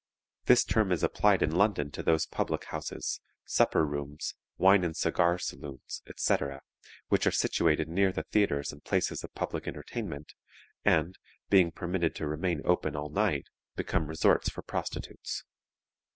This term is applied in London to those public houses, supper rooms, wine and cigar saloons, etc., which are situated near the theatres and places of public entertainment, and, being permitted to remain open all night, become resorts for prostitutes.